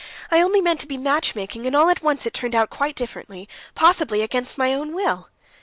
I only meant to be matchmaking, and all at once it turned out quite differently. Possibly against my own will...."